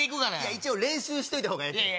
一応練習しといたほうがええ。